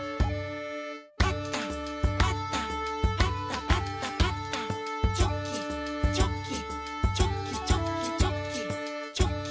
「パタパタパタパタパタ」「チョキチョキチョキチョキチョキ」